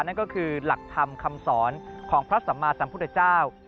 นั่นก็คือหลักธรรมคำสอนของพระสัมมาสัมพุทธเจ้า